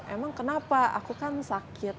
emang kenapa aku kan sakit